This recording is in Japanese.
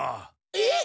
えっ？